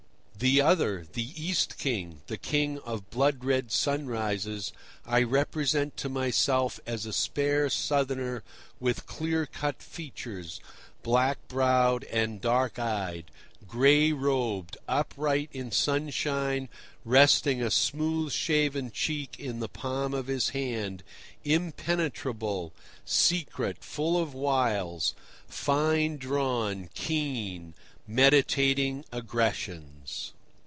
The other, the East king, the king of blood red sunrises, I represent to myself as a spare Southerner with clear cut features, black browed and dark eyed, gray robed, upright in sunshine, resting a smooth shaven cheek in the palm of his hand, impenetrable, secret, full of wiles, fine drawn, keen—meditating aggressions.